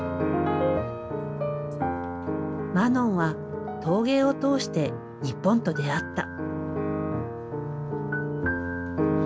マノンは陶芸を通して日本と出会った。